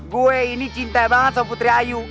gue ini cinta banget sama putri ayu